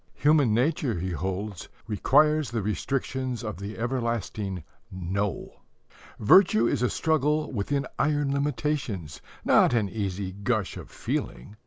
Human nature, he holds, requires the restrictions of the everlasting "No." Virtue is a struggle within iron limitations, not an easy gush of feeling.